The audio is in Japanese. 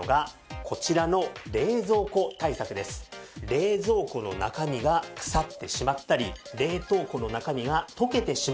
冷蔵庫の中身が腐ってしまったり冷凍庫の中身が溶けてしまったりします。